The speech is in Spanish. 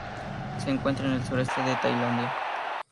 Se encuentra en el sureste de Tailandia.